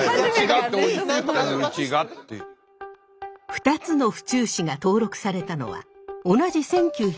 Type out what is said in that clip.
２つの府中市が登録されたのは同じ１９５４年。